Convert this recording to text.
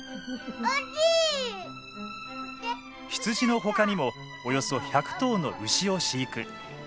羊のほかにもおよそ１００頭の牛を飼育。